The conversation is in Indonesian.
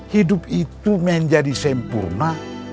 hidup itu menjadi sempurna